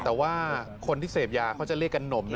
แต่ว่าคนที่เสพยาเขาจะเรียกกันนมนะ